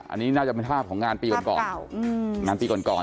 อันนี้น่าจะเป็นภาพของงานปีก่อน